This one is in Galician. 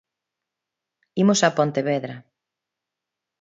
Imos a Pontevedra.